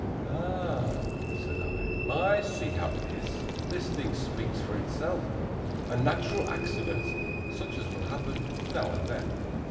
"Ah!" said I, "I see how it is. This thing speaks for itself. A natural accident, such as will happen now and then!"